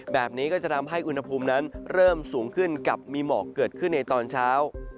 แบบนี้ก็จะทำให้อุณหภูมินั้นเริ่มสูงขึ้นกับมีหมอกเกิดขึ้นในตอนเช้า